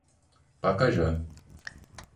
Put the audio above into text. Pacajá